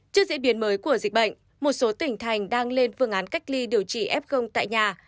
trước diễn biến mới của dịch bệnh một số tỉnh thành đang lên phương án cách ly điều trị f tại nhà